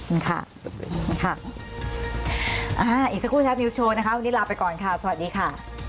ค่ะอ่าอีกสักครู่แท็บนิวสโชว์นะคะวันนี้ลาไปก่อนค่ะสวัสดีค่ะ